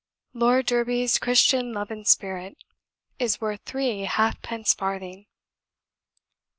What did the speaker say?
Lord Derby's 'Christian love and spirit,' is worth three half pence farthing."